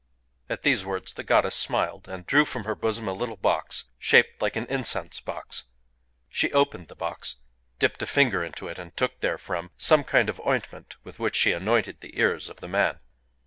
At these words the goddess smiled, and drew from her bosom a little box, shaped like an incense box. She opened the box, dipped a finger into it, and took therefrom some kind of ointment with which she anointed the ears of the man.